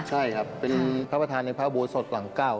ใช่ครับเป็นพระประธานในพระอุโบสถหลังเก้า